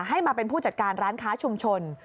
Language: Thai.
ให้มาเป็นผู้จัดการร้านค้าชุมชน